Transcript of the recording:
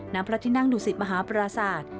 พระที่นั่งดุสิตมหาปราศาสตร์